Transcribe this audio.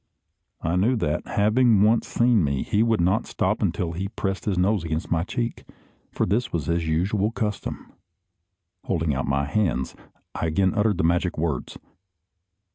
I knew that, having once seen me, he would not stop until he had pressed his nose against my cheek, for this was his usual custom. Holding out my hands, I again uttered the magic words.